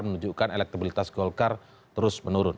menunjukkan elektabilitas golkar terus menurun